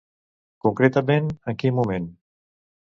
Concretament, en quin moment?